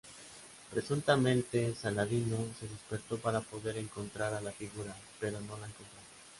Presuntamente, Saladino se despertó para poder encontrar a la figura, pero no la encontró.